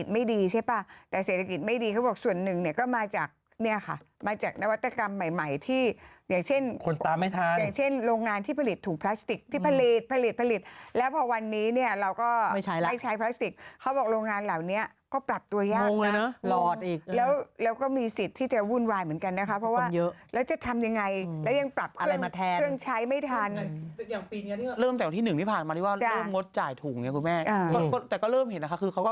ไม่ดีใช่ป่ะแต่เศรษฐกิจไม่ดีเขาบอกส่วนหนึ่งเนี่ยก็มาจากเนี่ยค่ะมาจากนวัตกรรมใหม่ที่อย่างเช่นลงงานที่ผลิตถูกพลาสติกที่ผลิตแล้วพอวันนี้เนี่ยเราก็ไม่ใช้พลาสติกเขาบอกโรงงานเหล่านี้ก็ปรับตัวยากแล้วก็มีสิทธิ์ที่จะวุ่นวายเหมือนกันนะคะเพราะว่าแล้วจะทำยังไงแล้วยังปรับเครื่องใช้ไม่ท